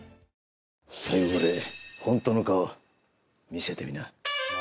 最後ぐれえ本当の顔、見せてみな。